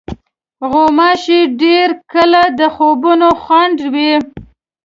غوماشې ډېر کله د خوبونو خنډ وي.